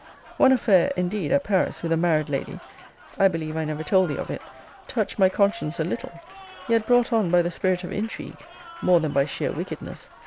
One affair, indeed, at Paris, with a married lady [I believe I never told thee of it] touched my conscience a little: yet brought on by the spirit of intrigue, more than by sheer wickedness.